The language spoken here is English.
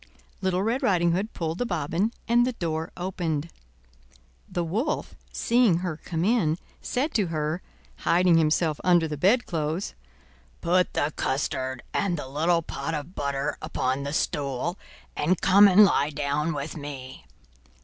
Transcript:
Little Red Riding Hood pulled the bobbin and the door opened. The wolf, seeing her come in, said to her, hiding himself under the bedclothes: "Put the custard and the little pot of butter upon the stool, and come and lie down with me."